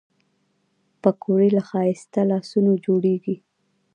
پکورې له ښایسته لاسونو جوړېږي